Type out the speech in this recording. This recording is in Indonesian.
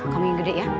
kambing gede ya